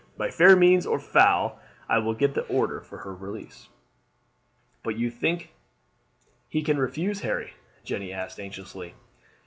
"By fair means or foul I will get the order for her release." "But you don't think he can refuse, Harry?" Jeanne asked anxiously.